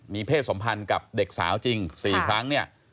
มีเพศสมพันธ์กับเด็กสาวจริง๔ครั้งเนี่ย